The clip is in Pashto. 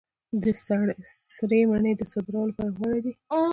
سرې مڼې د صادرولو لپاره غوره دي.